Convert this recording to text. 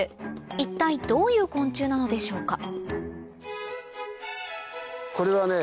一体どういう昆虫なのでしょうかこれはね。